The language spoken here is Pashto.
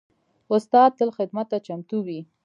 استاد تل خدمت ته چمتو وي.